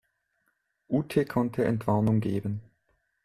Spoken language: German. Ute konnte Entwarnung geben.